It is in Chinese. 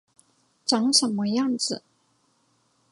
长什么样子